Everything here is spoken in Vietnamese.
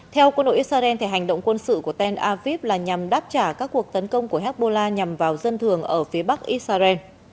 theo quân đội israel hành động quân sự của tên aviv là nhằm đáp trả các cuộc tấn công của hezbollah nhằm vào dân thường ở phía bắc israel